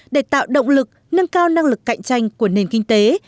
để tạo động lực nâng cao năng lực cạnh tranh của nền kinh tế